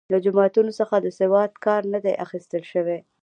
له جوماتونو څخه د سواد کار نه دی اخیستل شوی.